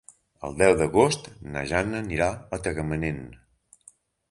El deu d'agost na Jana anirà a Tagamanent.